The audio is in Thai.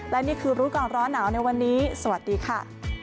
และนี่คือรู้ก่อนร้อนหนาวในวันนี้สวัสดีค่ะ